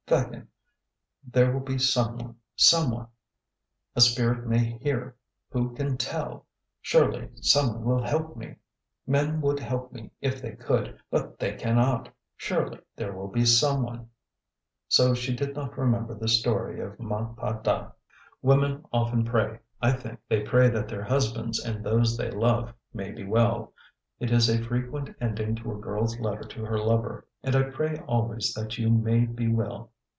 'Thakin, there will be Someone, Someone. A Spirit may hear. Who can tell? Surely someone will help me? Men would help me if they could, but they cannot; surely there will be someone?' So she did not remember the story of Ma Pa Da. Women often pray, I think they pray that their husbands and those they love may be well. It is a frequent ending to a girl's letter to her lover: 'And I pray always that you may be well.'